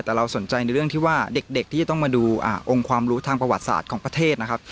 แต่เราสนใจในเรื่องที่ว่าเด็กที่จะต้องมาดูองค์ความรู้ทางประวัติศาสตร์ของประเทศนะครับ